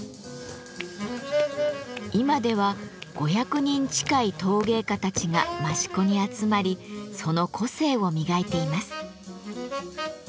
今では５００人近い陶芸家たちが益子に集まりその個性を磨いています。